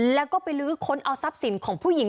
แล้วก็ไปลื้อค้นเอาทรัพย์สินของผู้หญิง